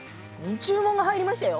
注文が入りましたよ！